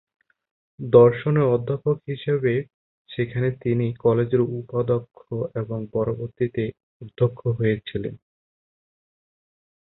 দর্শনের অধ্যাপক হিসাবে সেখানে তিনি কলেজের উপাধ্যক্ষ এবং পরবর্তীতে অধ্যক্ষ হয়েছিলেন।